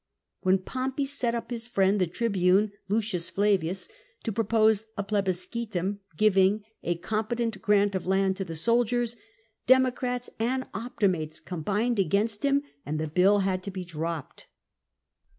When Pompey set up his friend the tribune L, Flavius to propose a pleiiscitum giving a competent grant of land to the soldiers, Democrats and Optimates combined against him, and the bill had to be dropped.